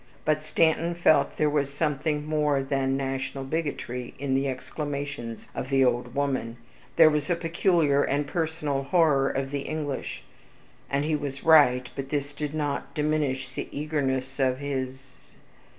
But Stanton felt there was something more than national bigotry in the exclamations of the old woman; there was a peculiar and personal horror of the English. And he was right; but this did not diminish the eagerness of his.